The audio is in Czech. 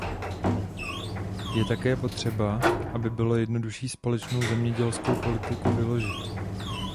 Je také potřeba, aby bylo jednodušší společnou zemědělskou politiku vyložit.